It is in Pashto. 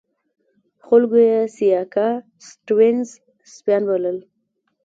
خلکو یې سیاکا سټیونز سپیان بلل.